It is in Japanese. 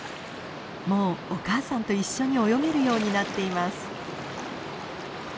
もうお母さんと一緒に泳げるようになっています。